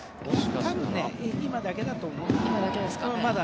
多分、今だけだと思う。